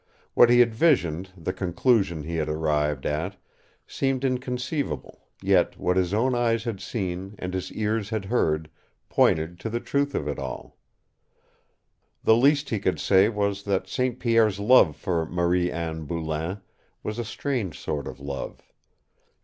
What he had visioned, the conclusion he had arrived at, seemed inconceivable, yet what his own eyes had seen and his ears had heard pointed to the truth of it all. The least he could say was that St. Pierre's love for Marie Anne Boulain was a strange sort of love.